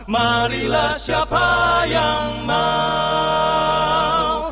marilah siapa yang mau